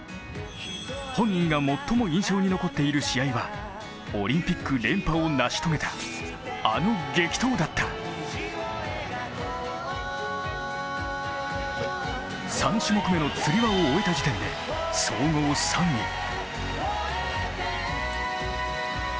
本人が最も印象に残っている試合はオリンピック連覇を成し遂げたあの激闘だった、３種目目のつり輪を終えた時点で、総合３位。